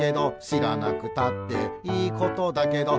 「しらなくたっていいことだけど」